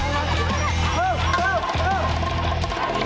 โอ้โฮโอ้โฮโอ้โฮ